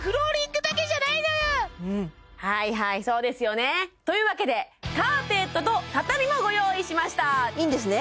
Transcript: はいはいそうですよねというわけでカーペットと畳もご用意しましたいいんですね？